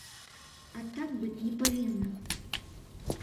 А так быць не павінна!